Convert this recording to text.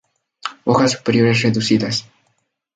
Hojas superiores reducidas.